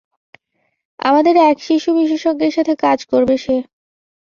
আমাদের এক শিশু বিশেষজ্ঞের সাথে কাজ করবে সে।